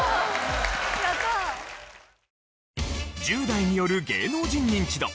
１０代による芸能人ニンチド。